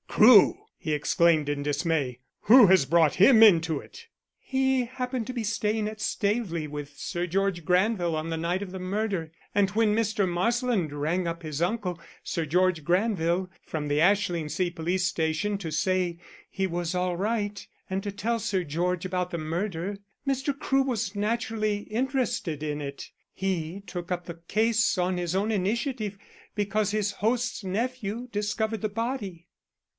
"Crewe!" he exclaimed in dismay. "Who has brought him into it?" "He happened to be staying at Staveley with Sir George Granville on the night of the murder, and when Mr. Marsland rang up his uncle, Sir George Granville, from the Ashlingsea police station to say he was all right, and to tell Sir George about the murder, Mr. Crewe was naturally interested in it. He took up the case on his own initiative because his host's nephew discovered the body."